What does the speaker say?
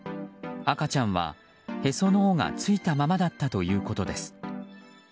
赤ちゃんは、へその緒がついたままだったということです。